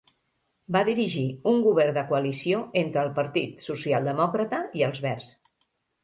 Va dirigir un govern de coalició entre el Partit Socialdemòcrata i els Verds.